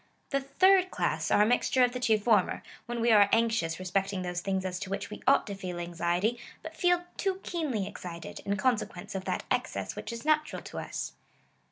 The thii d class are a mixture of the two former ; when we are anxious respecting those things as to which we ought to feel anxiety, but feel too keenly excited, in consequence of that excess which is natural to us.